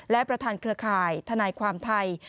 และประธานเครือข่ายทนายความไทย